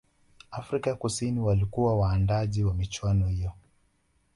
afrika kusini walikuwa waandaaji wa michuano hiyo